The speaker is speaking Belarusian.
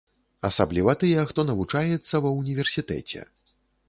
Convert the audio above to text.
Асабліва тыя, хто навучаецца ва ўніверсітэце.